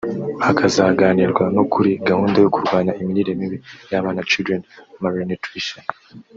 Hazanaganirwa no kuri gahunda yo kurwanya imirire mibi y’abana (children malnutrition)